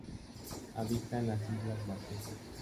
Habita en las Islas Marquesas.